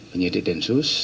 penyidik dan sus